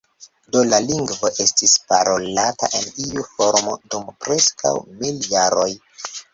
Do la lingvo estis parolata en iu formo dum preskaŭ mil jaroj.